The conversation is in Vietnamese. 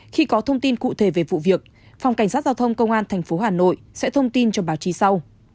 khi có thông tin cụ thể về vụ việc phòng cảnh sát giao thông công an tp hà nội sẽ thông tin cho báo chí sau